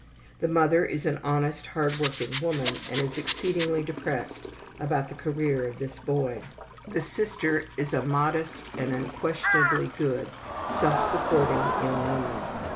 The mother is an honest hard working woman and is exceedingly depressed about the career of this boy. The sister is a modest and unquestionably good, self supporting, young woman.